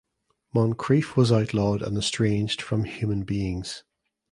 Moncreiff was outlawed and estranged from human beings.